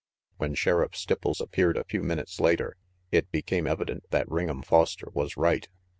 When Sheriff Stipples appeared a few minutes later, it became evident that Ring'em Foster was right.